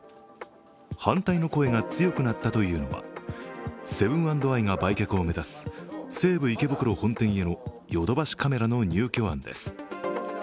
反対の声が強くなったというのはセブン＆アイが売却を目指す西武池袋本店へのヨドバシカメラの入居案です。